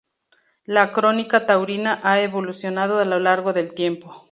La crónica taurina ha evolucionado a lo largo del tiempo.